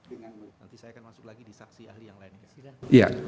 nanti saya akan masuk lagi di saksi ahli yang lainnya